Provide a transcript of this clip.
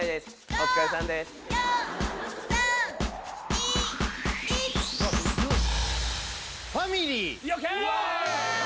お疲れさんですＯＫ